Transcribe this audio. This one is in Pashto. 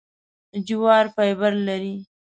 جواري فایبر لري .